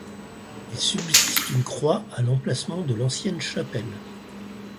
Il subsiste une croix à l'emplacement de l'ancienne chapelle.